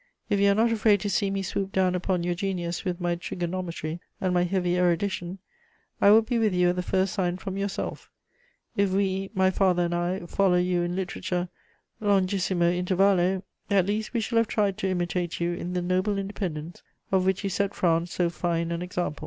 "If you are not afraid to see me swoop down upon your genius with my trigonometry and my heavy erudition, I will be with you at the first sign from yourself. If we, my father and I, follow you in literature longissimo intervallo, at least we shall have tried to imitate you in the noble independence of which you set France so fine an example.